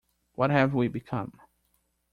What have we become?